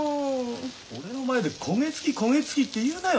俺の前で焦げつき焦げつきって言うなよ！